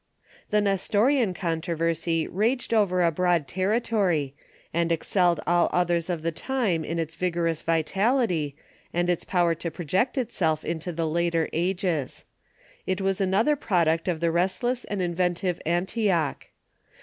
The Nestorian controversy raged over a broad territory, and excelled all others of the time in its vigorous vitality, and its power to project itself into the later ages. It was another product of the restless and inventive Anti och.